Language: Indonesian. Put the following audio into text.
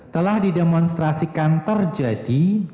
telah didemonstrasikan terjadi